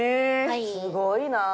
すごいな。